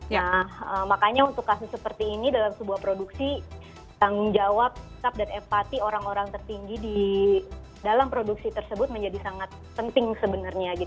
nah makanya untuk kasus seperti ini dalam sebuah produksi tanggung jawab dan empati orang orang tertinggi di dalam produksi tersebut menjadi sangat penting sebenarnya